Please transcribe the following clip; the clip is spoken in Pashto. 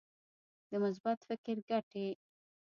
د مثبت فکر ګټې.